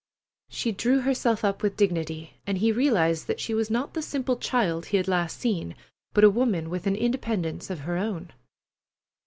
She drew herself up with dignity, and he realized that she was not the simple child he had seen last, but a woman with an independence of her own.